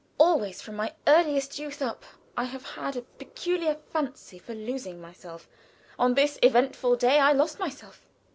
Always, from my earliest youth up, I have had a peculiar fancy for losing myself. On this eventful day I lost myself.